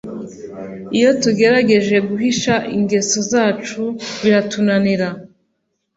Iyo tugerageje guhisha ingeso zacu biratunanira